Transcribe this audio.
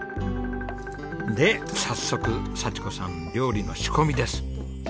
で早速幸子さん料理の仕込みです。